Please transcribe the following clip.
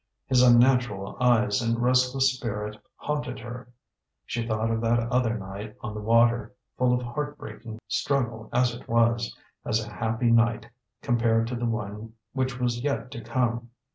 His unnatural eyes and restless spirit haunted her. She thought of that other night on the water, full of heartbreaking struggle as it was, as a happy night compared to the one which was yet to come.